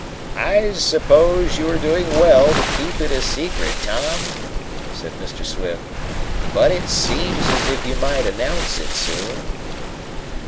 "I suppose you are doing well to keep it a secret, Tom," said Mr. Swift, "but it seems as if you might announce it soon."